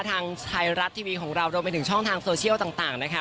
ทางไทยรัฐทีวีของเรารวมไปถึงช่องทางโซเชียลต่างนะคะ